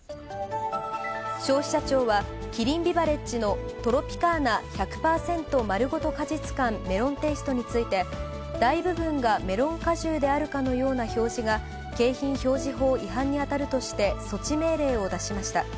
消費者庁は、キリンビバレッジのトロピカーナ１００％まるごと果実感メロンテイストについて、大部分がメロン果汁であるかのような表示が、景品表示法違反に当たるとして措置命令を出しました。